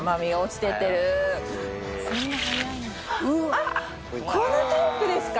あっこのタイプですか？